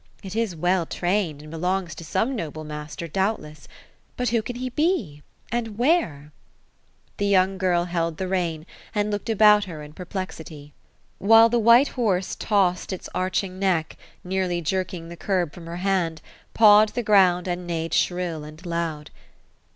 It is well trained, and belongs to some noblo master, doubtless. But who can he be ? And where ?" The young girl held the rein, and looked about her in perplexity { 206 OFHELIA ; while the white horse tossed its arching neck, nearly jerking the curb from her hand, pawed the ground, and neighed shrill and loud.